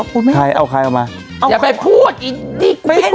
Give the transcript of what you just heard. เหรอคุณไม่เอาใช่เอาใครเรามาเอาแต่พูดไอ้เนี้ยคุณพี่